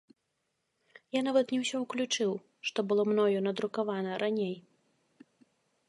Я нават не ўсё ўключыў, што было мною надрукавана раней.